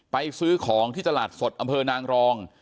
ซื้อของที่ตลาดสดอำเภอนางรอง